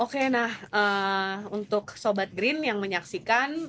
oke nah untuk sobat green yang menyaksikan